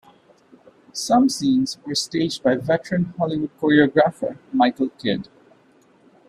Some scenes were staged by veteran Hollywood choreographer Michael Kidd.